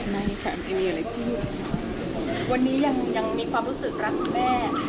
ไม่ค่ะไม่มีอะไรพูดวันนี้ยังยังมีความรู้สึกรักคุณแม่